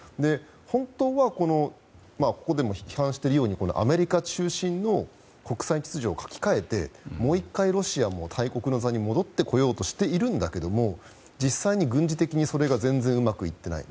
本当はここでも批判しているようにアメリカ中心の国際秩序を書き換えてもう一回ロシアも大国の座に戻ってこようとしているが実際に軍事的にそれが全然うまくいっていない。